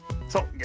そう。